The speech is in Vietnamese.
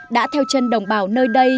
đã theo chân đồng bào nơi đây